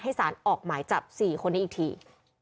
สารออกหมายจับ๔คนนี้อีกที